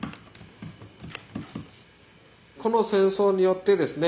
この戦争によってですね